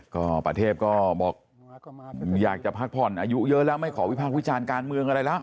ก็ประเทพก็บอกอยากจะพักผ่อนอายุเยอะแล้วไม่ขอวิพากษ์วิจารณ์การเมืองอะไรแล้ว